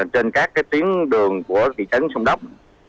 trên các tuyến đường của thị trấn sông đốc